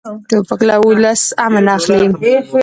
توپک له ولس امن اخلي.